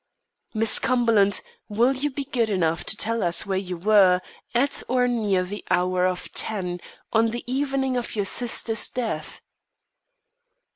"Miss Cumberland, will you be good enough to tell us where you were, at or near the hour of ten, on the evening of your sister's death?"